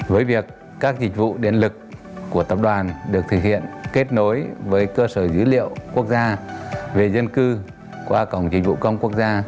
với việc các dịch vụ điện lực của tập đoàn được thực hiện kết nối với cơ sở dữ liệu quốc gia về dân cư qua cổng dịch vụ công quốc gia